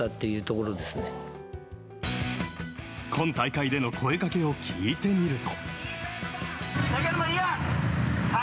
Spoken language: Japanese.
今大会での声掛けを聞いてみると。